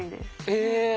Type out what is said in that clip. え。